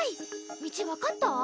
道分かった？